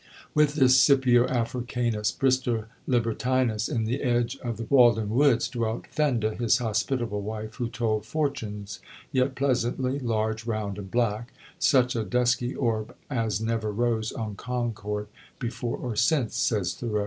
With this Scipio Africanus Brister Libertinus, in the edge of the Walden Woods, "dwelt Fenda, his hospitable wife, who told fortunes, yet pleasantly large, round, and black, such a dusky orb as never rose on Concord, before or since," says Thoreau.